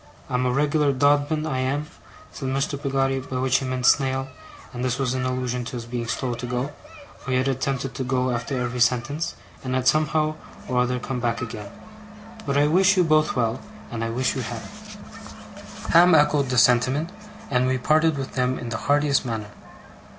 I'm a reg'lar Dodman, I am,' said Mr. Peggotty, by which he meant snail, and this was in allusion to his being slow to go, for he had attempted to go after every sentence, and had somehow or other come back again; 'but I wish you both well, and I wish you happy!' Ham echoed this sentiment, and we parted with them in the heartiest manner.